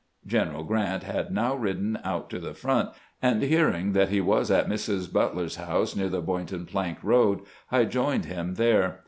General Grant had now ridden out to the front, and hearing that he was at Mrs. But ler's house near the Boydton plank road, I joined him there.